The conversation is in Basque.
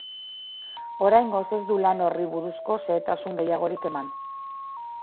Oraingoz ez du lan horri buruzko xehetasun gehiagorik eman.